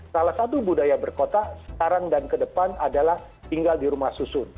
salah satu budaya berkota sekarang dan ke depan adalah tinggal di rumah susun